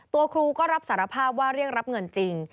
ตัวครูก็รับสารภาพว่าเรียกรับเงินจริง